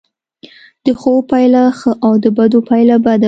د ښو پایله ښه او د بدو پایله بده وي.